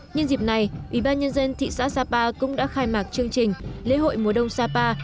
nhân dịp này ủy ban nhân dân thị xã sapa cũng đã khai mạc chương trình lễ hội mùa đông sapa